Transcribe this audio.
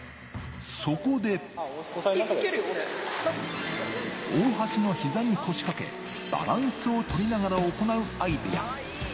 そこで、大橋の膝に腰掛け、バランスを取りながら行うアイデア。